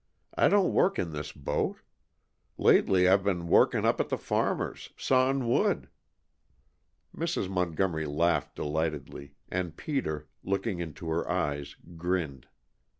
I don't work in this boat. Lately I've been workin' up at the farmer's, sawin' wood." Mrs. Montgomery laughed delightedly, and Peter, looking into her eyes, grinned.